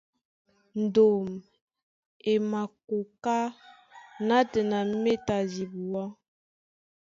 Ndôm e makoká nátɛna méta dibuá.